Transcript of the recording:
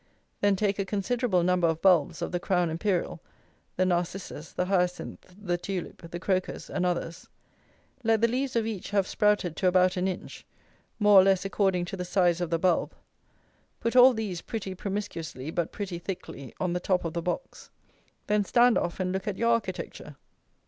Then take a considerable number of bulbs of the crown imperial, the narcissus, the hyacinth, the tulip, the crocus, and others; let the leaves of each have sprouted to about an inch, more or less according to the size of the bulb; put all these, pretty promiscuously, but pretty thickly, on the top of the box. Then stand off and look at your architecture.